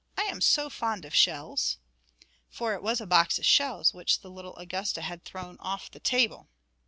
I am so fond of shells!' For it was a box of shells which the little Augusta had thrown off the table.